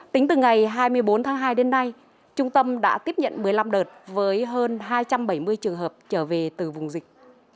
tính từ ngày hai mươi bốn tháng hai đến nay trung tâm đã tiếp nhận một mươi năm đợt với hơn hai trăm bảy mươi trường hợp trở về từ vùng dịch